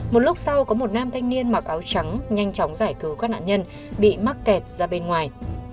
một lúc sau có một nam thanh niên mặc áo trắng nhanh chóng giải cứu các nạn nhân bị mắc kẹt ra bên ngoài